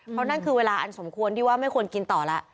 เพราะนั่นคือเวลาอันสมควรที่ว่าไม่ควรกินต่อแล้ว